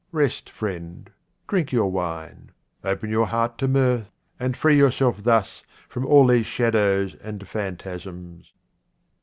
Rest, friend, drink your wine, open your heart to mirth, and free your self thus from all these shadows and phan tasms.